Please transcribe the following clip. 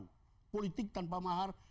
kita harapkan ini menjadi kultur baru